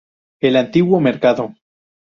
El antiguo mercado.